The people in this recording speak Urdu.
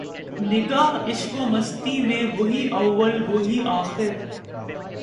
نگاہ عشق و مستی میں وہی اول وہی آخر